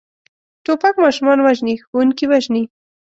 توپک ماشومان وژني، ښوونکي وژني.